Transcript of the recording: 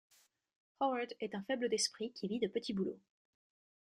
Howard est in faible d'esprit qui vit de petits boulots.